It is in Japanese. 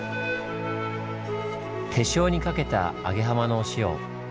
手塩にかけた揚浜のお塩。